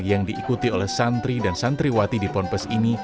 yang diikuti oleh santri dan santriwati di ponpes ini